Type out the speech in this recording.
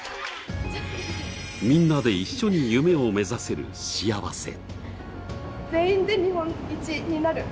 みんなで一緒に夢を目指せる幸せ。